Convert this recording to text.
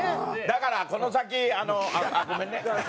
だからこの先あっごめんね。